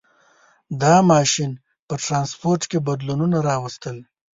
• دا ماشین په ټرانسپورټ کې بدلونونه راوستل.